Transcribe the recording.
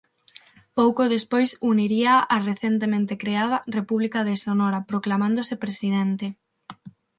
Pouco despois uniríaa á recentemente creada República de Sonora proclamándose presidente.